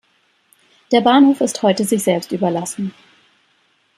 Der Bahnhof ist heute sich selbst überlassen.